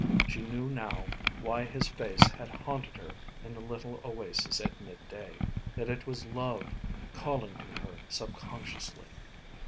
She knew now why his face had haunted her in the little oasis at midday that it was love calling to her subconsciously.